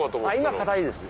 今硬いです。